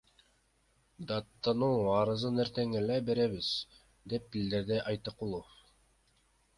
Даттануу арызын эртең эле беребиз, – деп билдирди Айткулов.